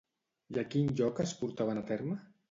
I a quin lloc es portaven a terme?